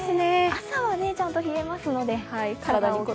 朝はちゃんと冷えますので。